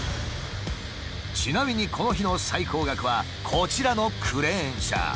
ちなみにこの日の最高額はこちらのクレーン車。